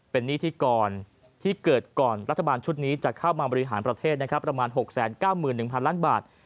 เป็นหนี้ที่เกิดก่อนรัฐบาลชุดนี้จะเข้ามาบริหารประเทศประมาณ๖๙๑๐๐ล้านบาท